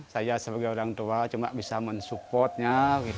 saya sebagai orang tua cuma bisa mensupportnya